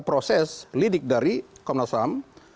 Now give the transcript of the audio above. proses lidik dari komnas ham